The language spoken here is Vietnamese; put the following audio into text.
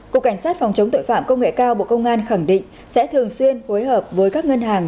cục cảnh sát phòng chống tội phạm công nghệ cao bộ công an khẳng định sẽ thường xuyên phối hợp với các ngân hàng